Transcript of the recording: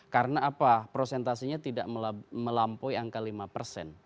karena apa prosentasenya tidak melampaui angka lima persen kan tiga puluh tujuh tiga puluh tiga jadi masih keduanya masih